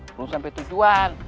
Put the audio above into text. belum sampe tujuan